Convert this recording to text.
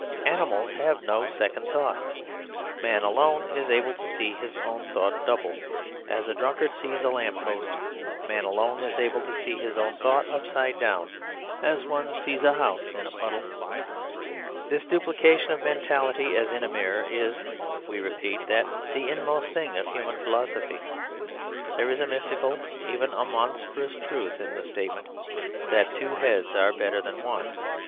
Animals have no second thoughts; man alone is able to see his own thought double, as a drunkard sees a lamp post; man alone is able to see his own thought upside down as one sees a house in a puddle. This duplication of mentality, as in a mirror, is (we repeat) the inmost thing of human philosophy. There is a mystical, even a monstrous truth, in the statement that two heads are better than one.